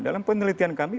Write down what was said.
dalam penelitian kami